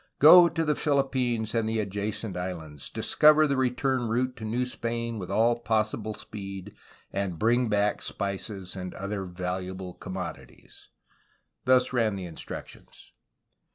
"Go to the Philippines and the adjacent islands, discover the return route to New Spain with all possible speed, and bring back spices and other valuable commodities." Thus ran the instructions.